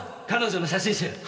彼女の写真集。